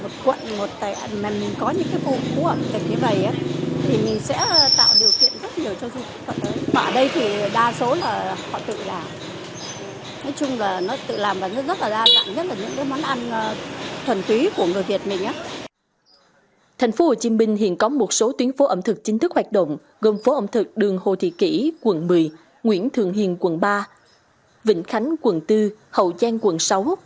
thành phố hồ chí minh hiện có một số tuyến phố ẩm thực chính thức hoạt động gồm phố ẩm thực đường hồ thị kỷ quận một mươi nguyễn thường hiền quận ba vĩnh khánh quận bốn hậu giang quận sáu